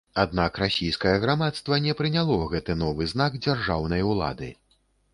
Аднак расійскае грамадства не прыняло гэты новы знак дзяржаўнай улады.